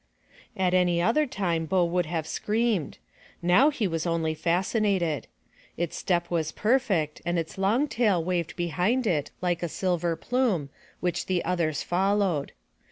At any other time Bo would have screamed. Now he was only fascinated. Its step was perfect and its long tail waved behind it, like a silver plume, which the others followed.